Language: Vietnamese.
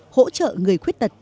hỗ trợ người khuyết tật